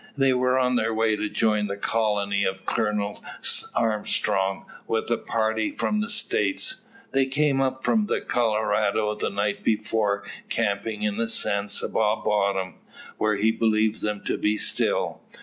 They were on their way to join the colony of Colonel Armstrong, with a party from the States. They came up from the Colorado the night before, camping in the San Saba bottom, where he believes them to be still.